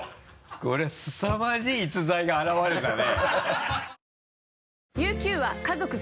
これすさまじい逸材が現れたね。